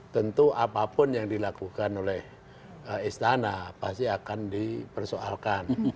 tentu apapun yang dilakukan oleh istana pasti akan dipersoalkan